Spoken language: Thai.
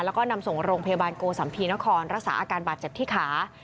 แล้วก็นำส่งโรงพยาบาลโกสัมภีนครรักษาอาการบาดเจ็บที่ขา